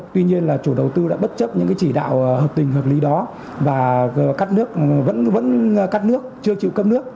tuy nhiên là chủ đầu tư đã bất chấp những cái chỉ đạo hợp tình hợp lý đó và cắt nước vẫn cắt nước chưa chịu cấp nước